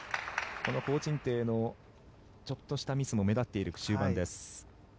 このコウ・チンテイのちょっとしたミスも目立っている終盤です。